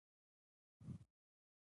کیدای شي چې مخکې ورباندې چا کار نه وي کړی.